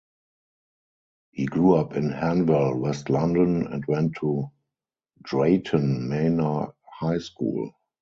He grew up in Hanwell, West London and went to Drayton Manor High School.